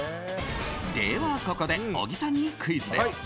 では、ここで小木さんにクイズです。